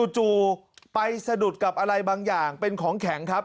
จู่ไปสะดุดกับอะไรบางอย่างเป็นของแข็งครับ